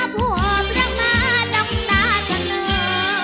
ผัวบรรมะจำตาจะเหนิง